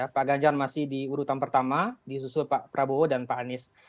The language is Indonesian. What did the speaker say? pak ganjar masih di urutan pertama disusul pak prabowo dan pak anies